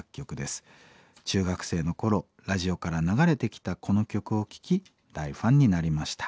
中学生の頃ラジオから流れてきたこの曲を聴き大ファンになりました。